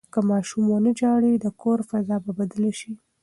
که ماشوم ونه ژاړي، د کور فضا به بدله شي.